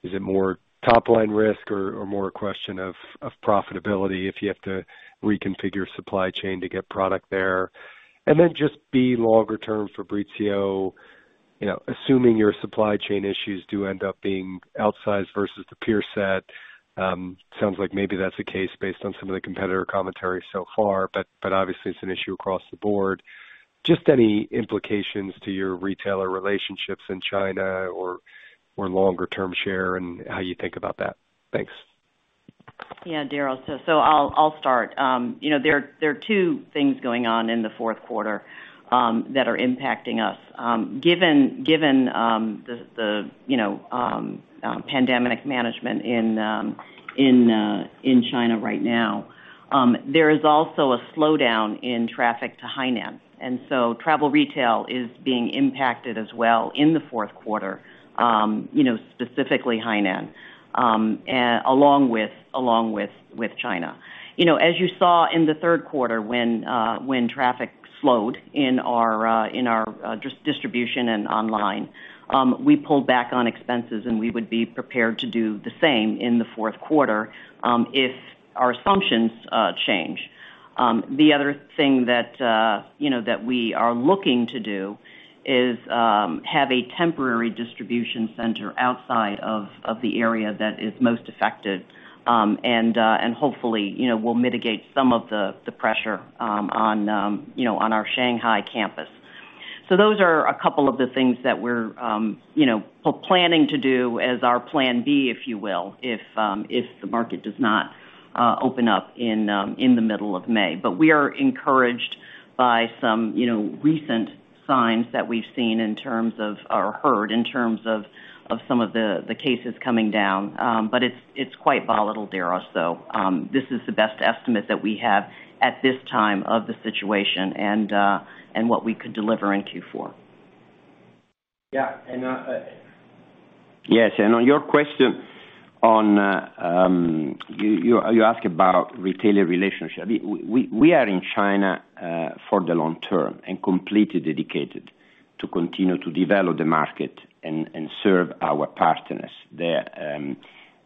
Is it more top line risk or more a question of profitability if you have to reconfigure supply chain to get product there? Then just B, longer-term, Fabrizio, you know, assuming your supply chain issues do end up being outsized versus the peer set, sounds like maybe that's the case based on some of the competitor commentary so far, but obviously it's an issue across the board. Just any implications to your retailer relationships in China or longer term share and how you think about that? Thanks. Dara. I'll start. You know, there are two things going on in the fourth quarter that are impacting us given the you know pandemic management in China right now. There is also a slowdown in traffic to Hainan, and so travel retail is being impacted as well in the fourth quarter, you know, specifically Hainan, and along with China. You know, as you saw in the third quarter when traffic slowed in our distribution and online, we pulled back on expenses, and we would be prepared to do the same in the fourth quarter if our assumptions change. The other thing that, you know, that we are looking to do is have a temporary distribution center outside of the area that is most affected, and hopefully, you know, we'll mitigate some of the pressure on, you know, our Shanghai campus. Those are a couple of the things that we're, you know, planning to do as our plan B, if you will, if the market does not open up in the middle of May. We are encouraged by some, you know, recent signs that we've seen in terms of or heard in terms of some of the cases coming down. It's quite volatile, Dara. This is the best estimate that we have at this time of the situation and what we could deliver in Q4. On your question, you asked about retailer relationship. We are in China for the long-term and completely dedicated to continue to develop the market and serve our partners there.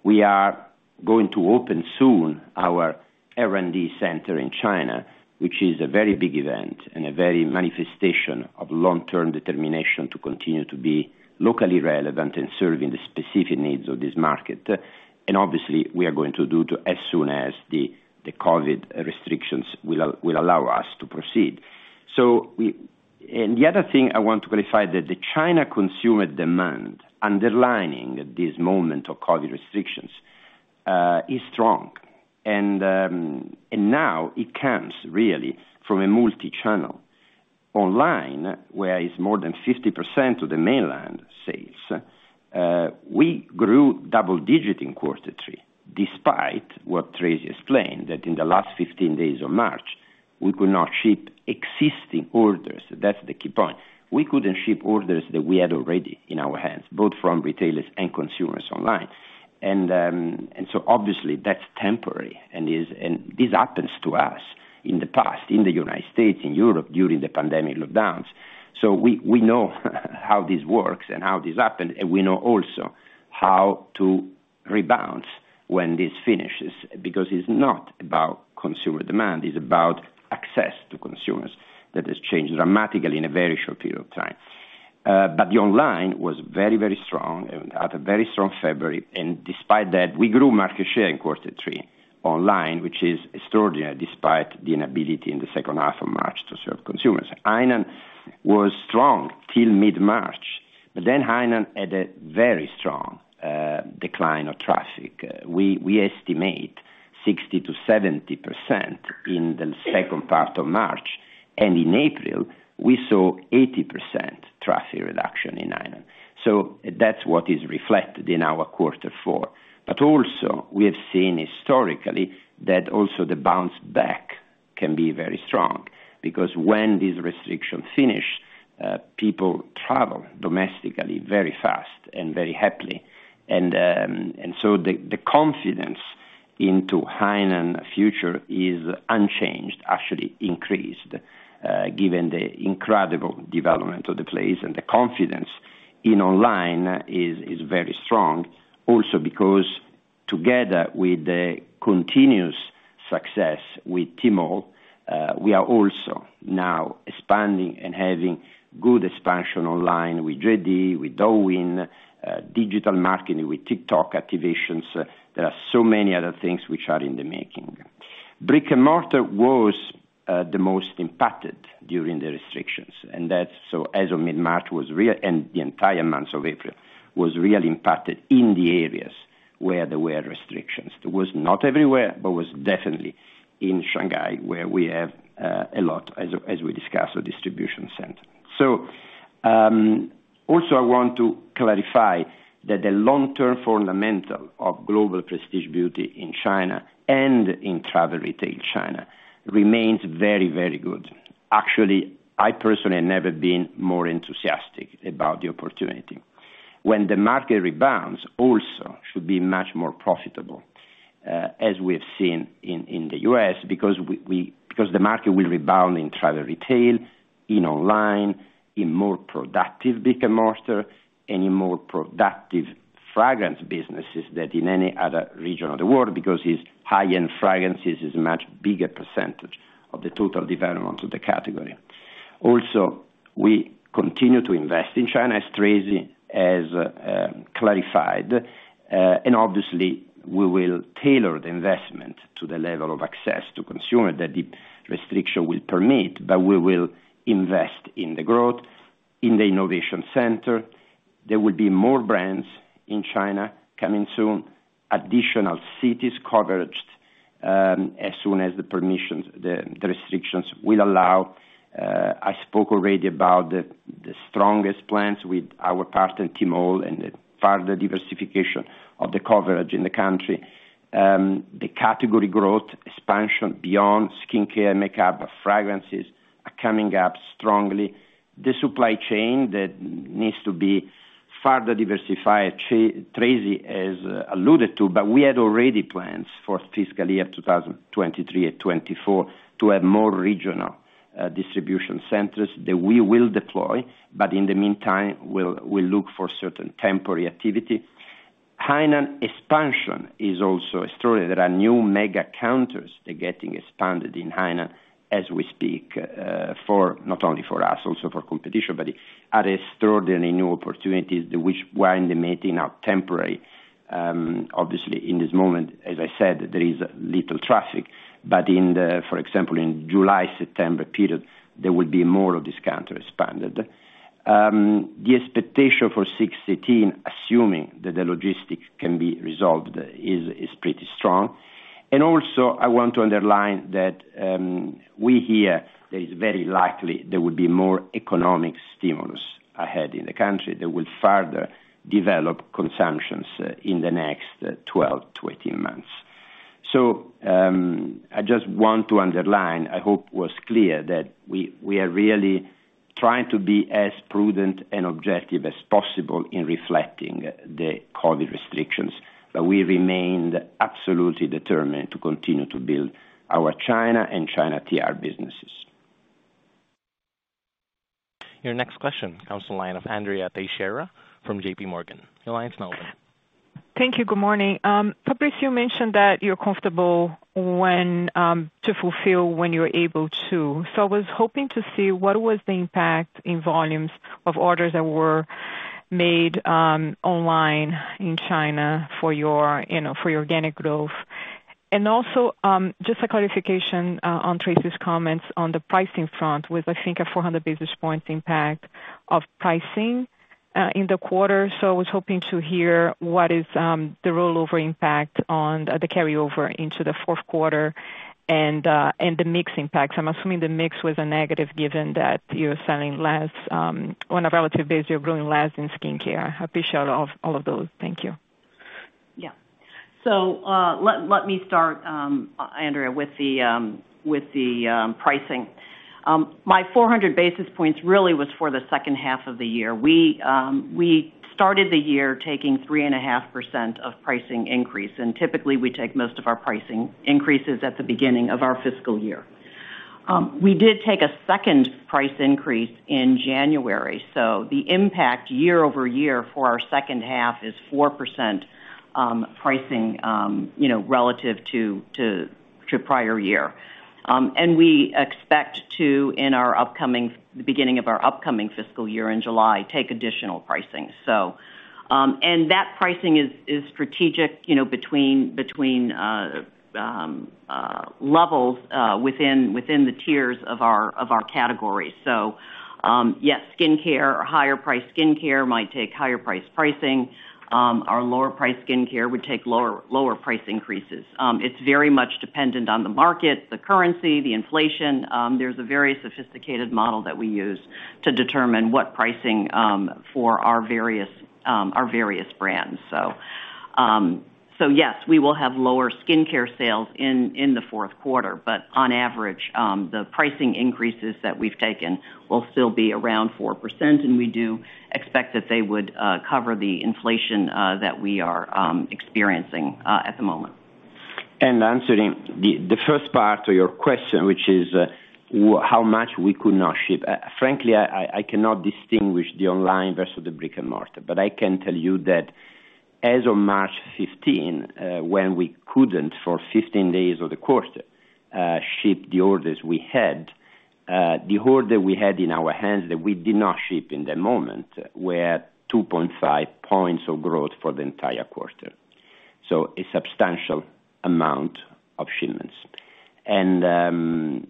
We are going to open soon our R&D center in China, which is a very big event and a very manifestation of long-term determination to continue to be locally relevant and serving the specific needs of this market. Obviously, we are going to do so as soon as the COVID restrictions will allow us to proceed. The other thing I want to clarify is that the Chinese consumer demand underlying this moment of COVID restrictions is strong. It now comes really from a multi-channel online where it's more than 50% of the mainland sales. We grew double-digit in quarter three, despite what Tracey explained, that in the last 15 days of March, we could not ship existing orders. That's the key point. We couldn't ship orders that we had already in our hands, both from retailers and consumers online. Obviously that's temporary, and this happens to us in the past, in the United States, in Europe during the pandemic lockdowns. We know how this works and how this happened, and we know also how to rebalance when this finishes, because it's not about consumer demand, it's about access to consumers that has changed dramatically in a very short period of time. The online was very, very strong, and had a very strong February. Despite that, we grew market share in quarter three online, which is extraordinary, despite the inability in the second half of March to serve consumers. Hainan was strong till mid-March, but then Hainan had a very strong decline of traffic. We estimate 60%-70% in the second part of March, and in April we saw 80% traffic reduction in Hainan. That's what is reflected in our quarter four. Also we have seen historically that also the bounce back can be very strong, because when these restrictions finish, people travel domestically very fast and very happily. The confidence in Hainan's future is unchanged, actually increased, given the incredible development of the place and the confidence in online is very strong also because together with the continuous success with Tmall, we are also now expanding and having good expansion online with JD.com, with Douyin, digital marketing, with TikTok activations. There are so many other things which are in the making. Brick-and-mortar was the most impacted during the restrictions, and that's so as of mid-March was real, and the entire month of April was really impacted in the areas where there were restrictions. It was not everywhere, but was definitely in Shanghai, where we have a lot as we discussed, a distribution center. I want to clarify that the long-term fundamental of global prestige beauty in China and in travel retail China remains very, very good. Actually, I personally have never been more enthusiastic about the opportunity. When the market rebounds also should be much more profitable, as we have seen in the U.S. because the market will rebound in travel retail, in online, in more productive brick-and-mortar, and in more productive fragrance businesses than in any other region of the world, because it's high-end fragrances is a much bigger percentage of the total development of the category. Also, we continue to invest in China, as Tracey has clarified. Obviously we will tailor the investment to the level of access to consumer that the restriction will permit, but we will invest in the growth, in the innovation center. There will be more brands in China coming soon, additional cities covered, as soon as the permissions, the restrictions will allow. I spoke already about the strongest plans with our partner Tmall and the further diversification of the coverage in the country. The category growth expansion beyond skincare, makeup, fragrances are coming up strongly. The supply chain that needs to be further diversified, Tracey has alluded to, but we had already planned for fiscal year 2023 and 2024 to have more regional distribution centers that we will deploy. In the meantime, we'll look for certain temporary activity. Hainan expansion is also a story. There are new mega counters that are getting expanded in Hainan as we speak, not only for us, also for competition, but are extraordinary new opportunities which were in the making are temporary. Obviously in this moment, as I said, there is little traffic, but in the, for example, in July-September period, there will be more of these counters expanded. The expectation for 618, assuming that the logistics can be resolved, is pretty strong. Also I want to underline that, we hear that it's very likely there will be more economic stimulus ahead in the country that will further develop consumptions in the next 12-18 months. I just want to underline, I hope it was clear that we are really trying to be as prudent and objective as possible in reflecting the COVID restrictions, but we remain absolutely determined to continue to build our China and China TR businesses. Your next question comes from the line of Andrea Teixeira from JPMorgan. The line's now open. Thank you. Good morning. Fabrizio, you mentioned that you're comfortable when to fulfill when you're able to. I was hoping to see what was the impact in volumes of orders that were made online in China for your, you know, for your organic growth. Also, just a clarification on Tracy's comments on the pricing front with, I think, a 400 basis points impact of pricing in the quarter. I was hoping to hear what is the rollover impact on the carryover into the fourth quarter and the mix impact. I'm assuming the mix was a negative, given that you're selling less on a relative basis, you're growing less in skincare. I appreciate all of those. Thank you. Yeah. Let me start, Andrea, with the pricing. My 400 basis points really was for the second half of the year. We started the year taking 3.5% pricing increase, and typically, we take most of our pricing increases at the beginning of our fiscal year. We did take a second price increase in January, so the impact year-over-year for our second half is 4% pricing, you know, relative to prior year. We expect to, at the beginning of our upcoming fiscal year in July, take additional pricing. That pricing is strategic, you know, between levels within the tiers of our categories. Yes, skincare or higher priced skincare might take higher priced pricing. Our lower priced skincare would take lower price increases. It's very much dependent on the market, the currency, the inflation. There's a very sophisticated model that we use to determine what pricing for our various brands. Yes, we will have lower skincare sales in the fourth quarter, but on average, the pricing increases that we've taken will still be around 4%, and we do expect that they would cover the inflation that we are experiencing at the moment. Answering the first part of your question, which is how much we could not ship. Frankly, I cannot distinguish the online versus the brick-and-mortar, but I can tell you that as of March 15, when we couldn't for 15 days of the quarter, ship the orders we had in our hands that we did not ship in the moment were 2.5 points of growth for the entire quarter. A substantial amount of shipments. Then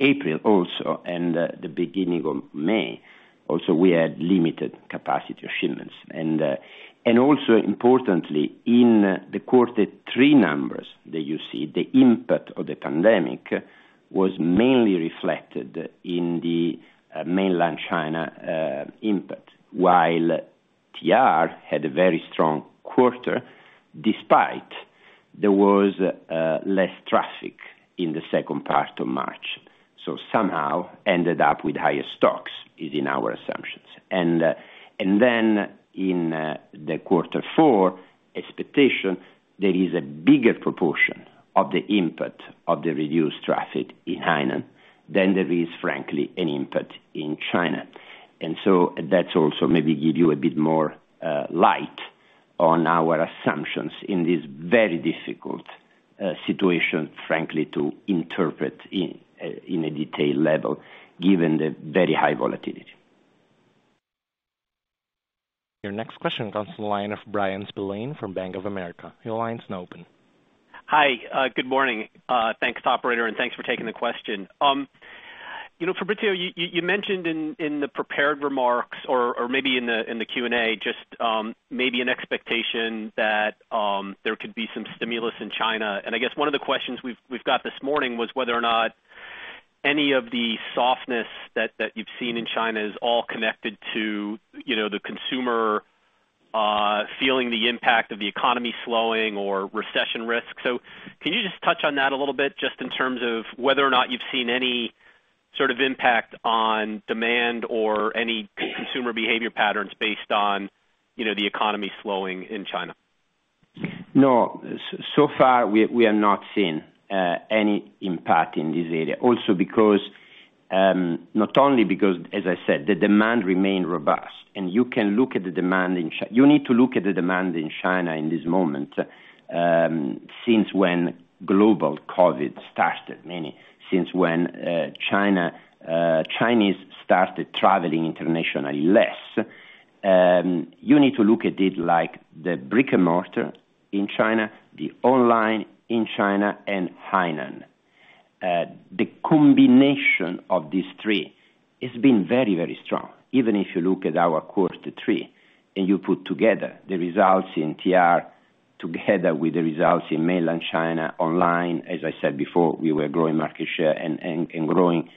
April also, and the beginning of May also, we had limited capacity of shipments. Importantly, in the quarter three numbers that you see, the impact of the pandemic was mainly reflected in the mainland China impact. While TR had a very strong quarter, despite there was less traffic in the second part of March. Somehow ended up with higher stocks is in our assumptions. Then in the quarter four expectation, there is a bigger proportion of the impact of the reduced traffic in Hainan than there is, frankly, an impact in China. That's also maybe give you a bit more light on our assumptions in this very difficult situation, frankly, to interpret in a detailed level, given the very high volatility. Your next question comes from the line of Bryan Spillane from Bank of America. Your line is now open. Hi. Good morning. Thanks operator, and thanks for taking the question. You know, Fabrizio, you mentioned in the prepared remarks or maybe in the Q&A, just maybe an expectation that there could be some stimulus in China. I guess one of the questions we've got this morning was whether or not any of the softness that you've seen in China is all connected to, you know, the consumer feeling the impact of the economy slowing or recession risk. Can you just touch on that a little bit just in terms of whether or not you've seen any sort of impact on demand or any consumer behavior patterns based on, you know, the economy slowing in China? No. So far, we have not seen any impact in this area. Also because, not only because, as I said, the demand remain robust and you need to look at the demand in China in this moment since when Chinese started traveling internationally less. You need to look at it like the brick-and-mortar in China, the online in China and Hainan. The combination of these three has been very, very strong. Even if you look at our quarter three, and you put together the results in TR together with the results in mainland China, online, as I said before, we were growing market share and growing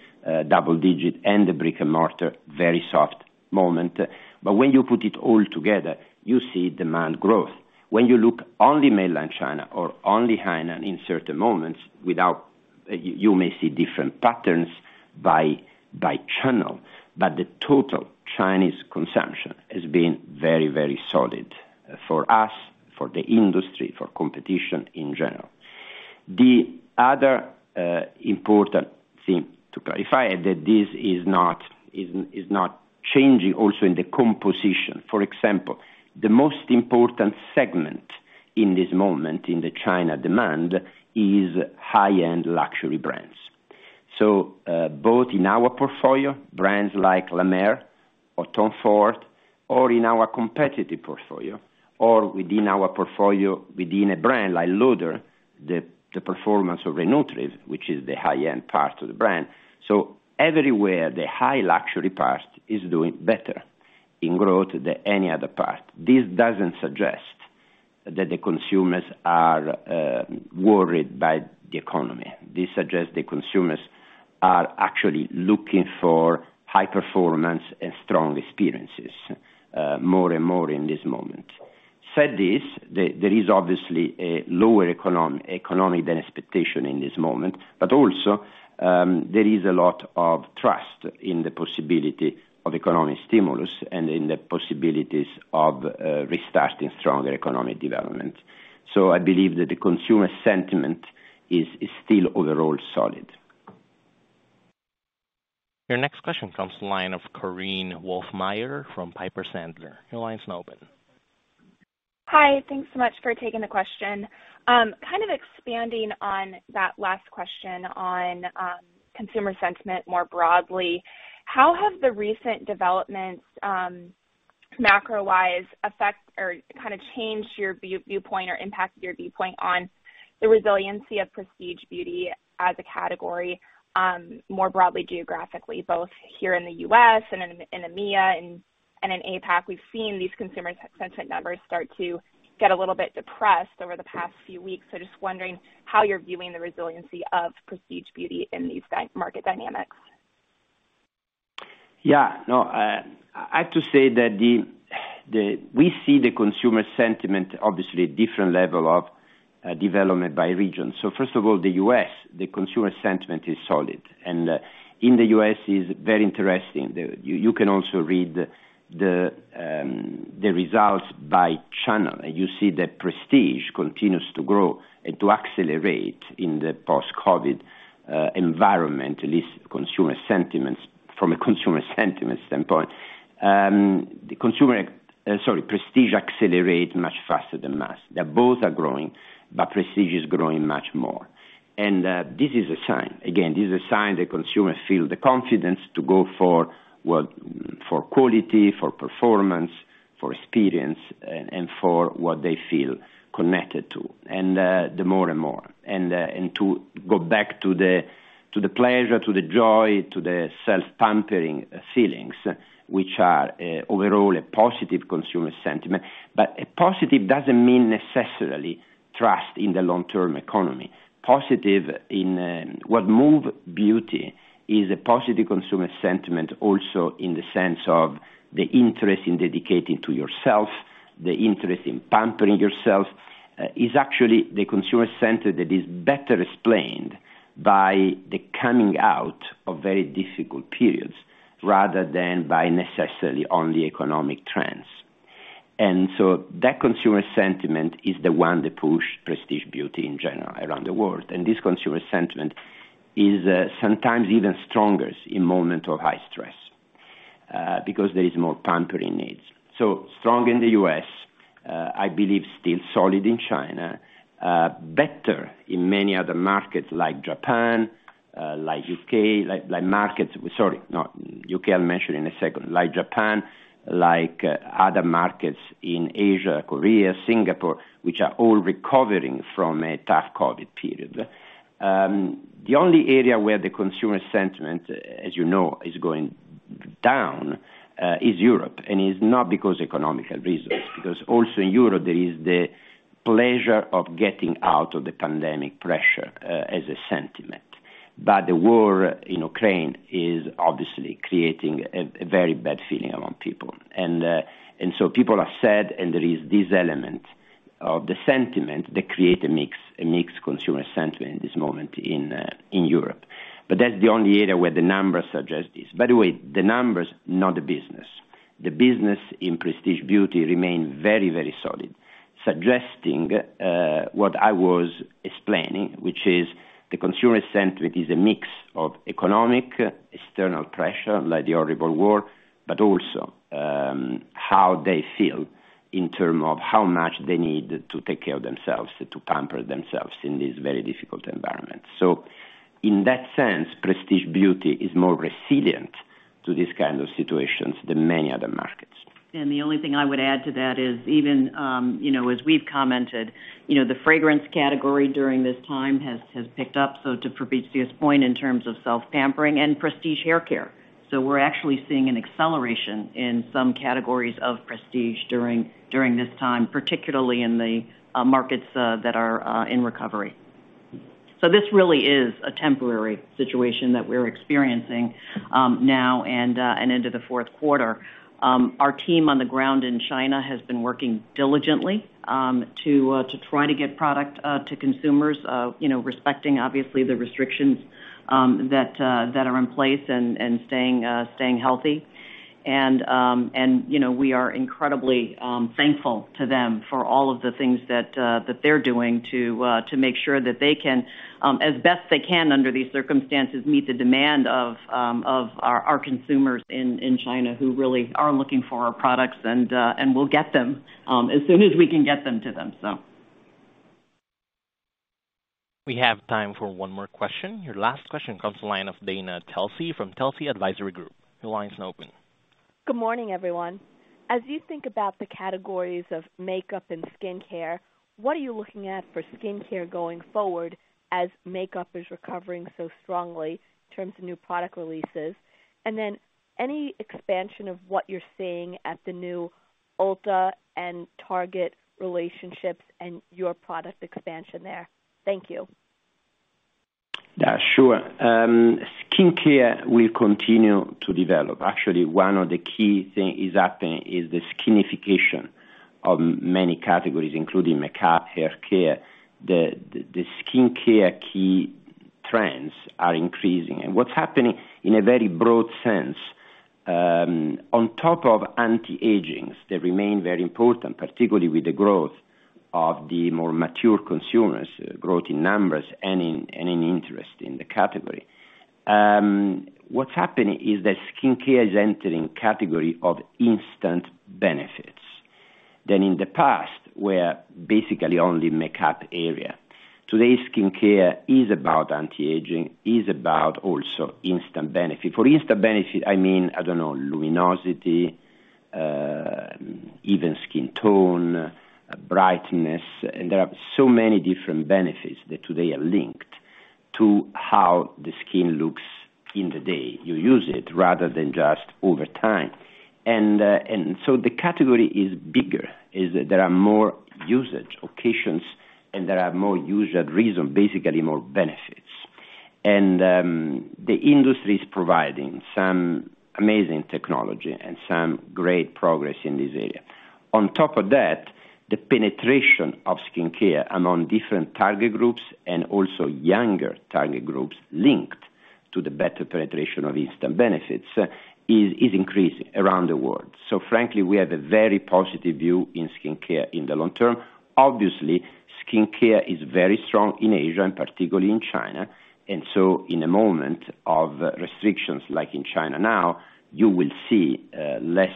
double digit and the brick-and-mortar very soft moment. When you put it all together, you see demand growth. When you look only mainland China or only Hainan in certain moments, you may see different patterns by channel, but the total Chinese consumption has been very solid for us, for the industry, for competition in general. The other important thing to clarify that this is not changing also in the composition. For example, the most important segment in this moment in the China demand is high-end luxury brands. Both in our portfolio, brands like La Mer or Tom Ford, or in our competitive portfolio, or within our portfolio, within a brand like Estée Lauder, the performance of Re-Nutriv, which is the high-end part of the brand. Everywhere the high luxury part is doing better in growth than any other part. This doesn't suggest that the consumers are worried by the economy. This suggests the consumers are actually looking for high performance and strong experiences more and more in this moment. That said, there is obviously a lower economic than expected in this moment, but also, there is a lot of trust in the possibility of economic stimulus and in the possibilities of restarting stronger economic development. I believe that the consumer sentiment is still overall solid. Your next question comes to the line of Korinne Wolfmeyer from Piper Sandler. Your line's now open. Hi, thanks so much for taking the question. Kind of expanding on that last question on consumer sentiment more broadly, how have the recent developments macro-wise affect or kind of changed your viewpoint or impacted your viewpoint on the resiliency of Prestige Beauty as a category more broadly geographically, both here in the U.S. and in EMEA and in APAC? We've seen these consumer sentiment numbers start to get a little bit depressed over the past few weeks. Just wondering how you're viewing the resiliency of Prestige Beauty in these market dynamics. Yeah. No, I have to say that we see the consumer sentiment, obviously a different level of development by region. First of all, the U.S., the consumer sentiment is solid. In the U.S. it's very interesting. You can also read the results by channel. You see that prestige continues to grow and to accelerate in the post-COVID environment, at least consumer sentiments from a consumer sentiment standpoint. Prestige accelerates much faster than mass. They both are growing, but Prestige is growing much more. This is a sign, again, that consumers feel the confidence to go for what? For quality, for performance, for experience and for what they feel connected to. The more and more. To go back to the pleasure, to the joy, to the self-pampering feelings, which are overall a positive consumer sentiment. A positive doesn't mean necessarily trust in the long-term economy. Positive in what moves beauty is a positive consumer sentiment also in the sense of the interest in dedicating to yourself, the interest in pampering yourself, is actually the consumer sentiment that is better explained by the coming out of very difficult periods rather than by necessarily only economic trends. That consumer sentiment is the one that push Prestige Beauty in general around the world. This consumer sentiment is sometimes even strongest in moments of high stress, because there is more pampering needs. Strong in the U.S., I believe still solid in China, better in many other markets like Japan, like other markets in Asia, Korea, Singapore, which are all recovering from a tough COVID period. The only area where the consumer sentiment, as you know, is going down, is Europe, and it's not because economic reasons, because also in Europe there is the pleasure of getting out of the pandemic pressure, as a sentiment. The war in Ukraine is obviously creating a very bad feeling among people. People are sad, and there is this element of the sentiment that create a mixed consumer sentiment this moment in Europe. That's the only area where the numbers suggest this. By the way, the numbers, not the business. The business in Prestige Beauty remains very, very solid, suggesting what I was explaining, which is the consumer sentiment is a mix of economic external pressure, like the horrible war, but also how they feel in terms of how much they need to take care of themselves, to pamper themselves in this very difficult environment. In that sense, Prestige Beauty is more resilient to these kind of situations than many other markets. The only thing I would add to that is even, you know, as we've commented, you know, the fragrance category during this time has picked up, so to Fabrizio's point, in terms of self-pampering and prestige haircare. We're actually seeing an acceleration in some categories of Prestige during this time, particularly in the markets that are in recovery. This really is a temporary situation that we're experiencing now and into the fourth quarter. Our team on the ground in China has been working diligently to try to get product to consumers, you know, respecting obviously the restrictions that are in place and staying healthy. You know, we are incredibly thankful to them for all of the things that they're doing to make sure that they can, as best they can under these circumstances, meet the demand of our consumers in China who really are looking for our products, and we'll get them as soon as we can get them to them. We have time for one more question. Your last question comes from the line of Dana Telsey from Telsey Advisory Group. Your line is now open. Good morning, everyone. As you think about the categories of makeup and skincare, what are you looking at for skincare going forward as makeup is recovering so strongly in terms of new product releases? Any expansion of what you're seeing at the new Ulta and Target relationships and your product expansion there? Thank you. Yeah, sure. Skincare will continue to develop. Actually, one of the key thing is happening is the skinification of many categories, including makeup, hair care. The skincare key trends are increasing. What's happening in a very broad sense, on top of anti-agings, they remain very important, particularly with the growth of the more mature consumers, growth in numbers and in interest in the category. What's happening is that skincare is entering category of instant benefits. In the past, where basically only makeup area. Today's skincare is about anti-aging, is about also instant benefit. For instant benefit, I mean, I don't know, luminosity, even skin tone, brightness, and there are so many different benefits that today are linked to how the skin looks in the day. You use it rather than just over time. The category is bigger, there are more usage occasions, and there are more usage reason, basically more benefits. The industry is providing some amazing technology and some great progress in this area. On top of that, the penetration of skincare among different target groups and also younger target groups linked to the better penetration of instant benefits is increasing around the world. Frankly, we have a very positive view in skincare in the long-term. Obviously, skincare is very strong in Asia, and particularly in China, and so in a moment of restrictions like in China now, you will see less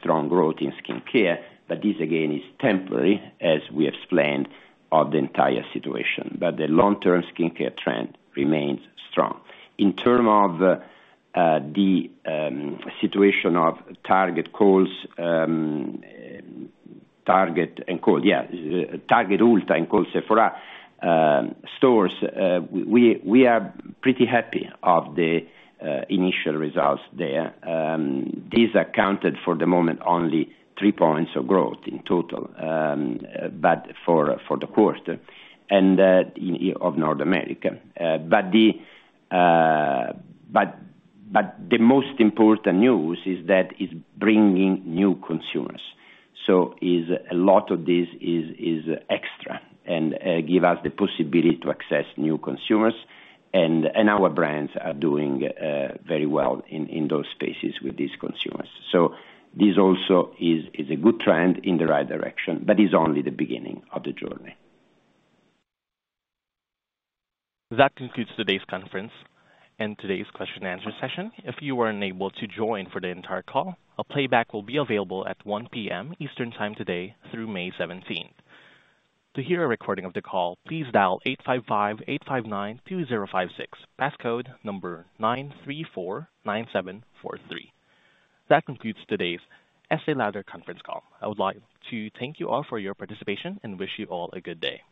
strong growth in skincare. This again is temporary, as we explained of the entire situation. The long-term skincare trend remains strong. In terms of the situation of Target, Ulta and Kohl's Sephora stores, we are pretty happy with the initial results there. This accounts for, at the moment, only three points of growth in total, but for the quarter of North America. The most important news is that it's bringing new consumers. A lot of this is extra and give us the possibility to access new consumers. Our brands are doing very well in those spaces with these consumers. This also is a good trend in the right direction, but is only the beginning of the journey. That concludes today's conference and today's question and answer session. If you were unable to join for the entire call, a playback will be available at 1:00 P.M. Eastern time today through May seventeenth. To hear a recording of the call, please dial 855-859-2056. Passcode number 9349743. That concludes today's Estée Lauder conference call. I would like to thank you all for your participation and wish you all a good day.